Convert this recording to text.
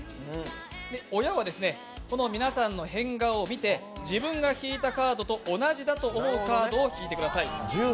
親は皆さんの変顔を見て、自分が引いたカードと同じだと思うカードを引いてください。